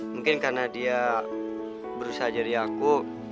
mungkin karena dia berusaha jadi aku